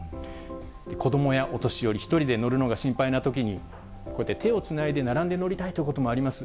子どもやお年寄り、１人で乗るのが心配なときに、こうやって手をつないで並んで乗りたいということもあります。